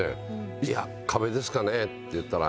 「いやあ壁ですかね？」って言ったら。